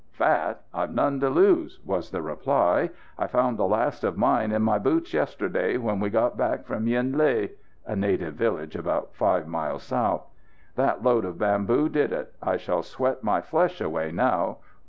"Fat! I've none to lose," was the reply. "I found the last of mine in my boots yesterday, when we got back from Yen Lé (a native village five miles south). That load of bamboo did it. I shall sweat my flesh away now.